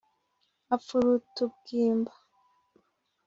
Apfuruta ubwimba